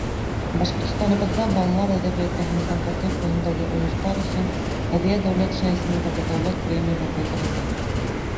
Башҡортостаныбыҙҙа балалар әҙәбиәте һәм сәнғәте өлкәһендәге уңыштар өсөн һәҙиә Дәүләтшина исемендәге дәүләт премияһы булдырылды.